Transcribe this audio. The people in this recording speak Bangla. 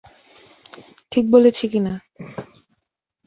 ঠিক বলেছি কিনা?